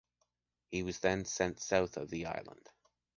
He was then sent South of the island.